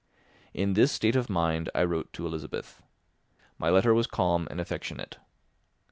In this state of mind I wrote to Elizabeth. My letter was calm and affectionate.